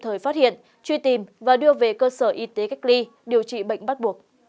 thời phát hiện truy tìm và đưa về cơ sở y tế cách ly điều trị bệnh bắt buộc